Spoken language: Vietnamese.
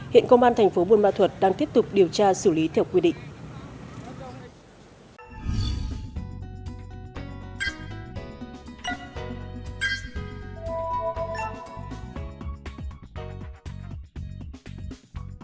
hiện công an thành phố buôn ma thuật đang tiếp tục điều tra xử lý theo quy định